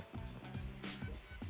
terus bagaimana di rumah